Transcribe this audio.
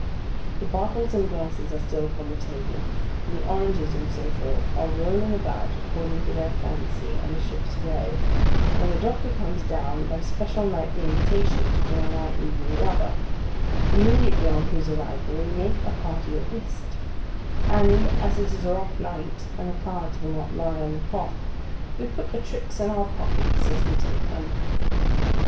The bottles and glasses are still upon the table, and the oranges and so forth are rolling about according to their fancy and the ship's way, when the doctor comes down, by special nightly invitation, to join our evening rubber: immediately on whose arrival we make a party at whist, and as it is a rough night and the cards will not lie on the cloth, we put the tricks in our pockets as we take them.